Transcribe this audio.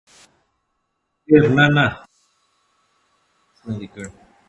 کبير : نه نه نه پلاره جانه ! ما هېڅ نه دى کړي.